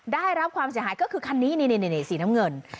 ได้รับความเสียหายก็คือคันนี้นี่สีน้ำเงิน